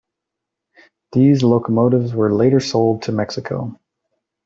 These locomotives were later sold to Mexico.